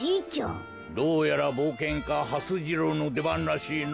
どうやらぼうけんかはす次郎のでばんらしいの。